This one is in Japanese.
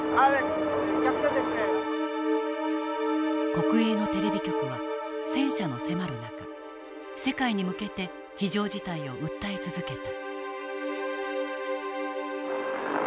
国営のテレビ局は戦車の迫る中世界に向けて非常事態を訴え続けた。